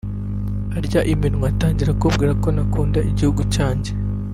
arya iminwa atangira kumbwira ko ntakunda igihugu cyanjye